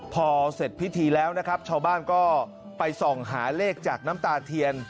พอเสร็จพิธีแล้วนะครับชาวบ้านก็ไปส่องหาเลขจากน้ำตาเทียน